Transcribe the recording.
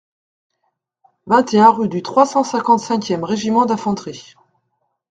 vingt et un rue du trois cent cinquante-cinq e Régiment d'Infanterie